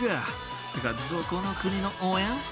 ってか、どこの国の応援？